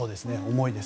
重いです。